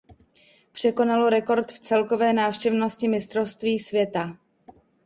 Překonalo rekord v celkové návštěvnosti mistrovství světa.